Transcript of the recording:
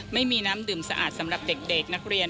ไม่มีน้ำดื่มสะอาดสำหรับเด็กนักเรียน